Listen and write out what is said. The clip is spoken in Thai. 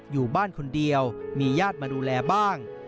อยู่บ้านคนเดียวมีญาติมาดูแลบ้าง